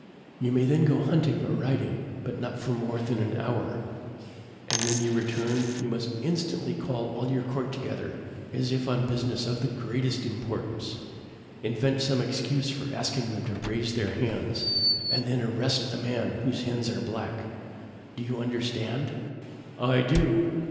You may then go hunting or riding, but not for more than an hour; and when you return, you must instantly call all your court together, as if on business of the greatest importance. Invent some excuse for asking them to raise their hands, and then arrest the man whose hands are black. Do you understand?" "I do!"